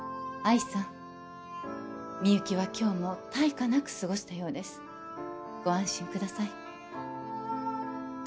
愛さんみゆきは今日も大過なく過ごしたようですご安心ください